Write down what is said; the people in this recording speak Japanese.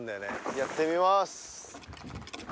やってみます。